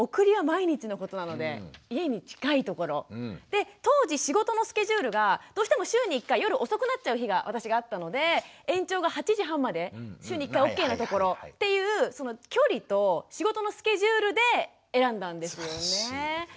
で当時仕事のスケジュールがどうしても週に１回夜遅くなっちゃう日が私があったので延長が８時半まで週に１回ＯＫなところっていうその距離と仕事のスケジュールで選んだんですよね。